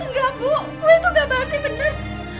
enggak bu kue itu gak basi benar